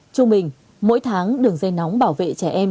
trung bình mỗi tháng đường dây nóng bảo vệ trẻ em